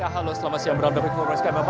halo selamat siang berhubungan dengan bbm